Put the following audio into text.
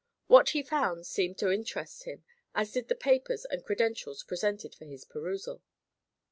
What he found seemed to interest him, as did the papers and credentials presented for his perusal.